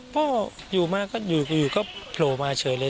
พ่ออยู่มาก็อยู่ก็โผล่มาเฉยเลย